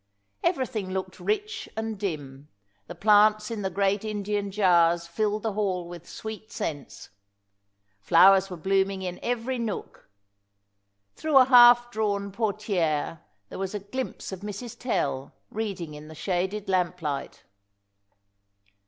Everything looked rich and dim; the plants in the great Indian jars filled the hall with sweet scents. Flowers were blooming in every nook. Through a half drawn portière there was a glimpse of Mrs. Tell reading in the shaded lamplight.